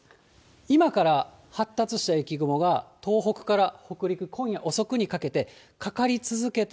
今から発達した雪雲が、東北から北陸、今夜遅くにかけてかかり続けて、